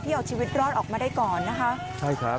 ที่เอาชีวิตรอดออกมาได้ก่อนนะคะ